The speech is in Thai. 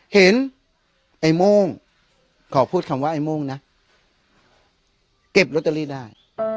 เห็นไอ้โม่งขอพูดคำว่าไอ้โม่งนะเก็บลอตเตอรี่ได้